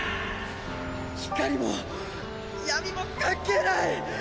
光も闇も関係ない！